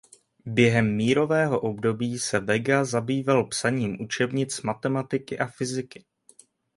Během mírového období se Vega zabýval psaním učebnic matematiky a fyziky.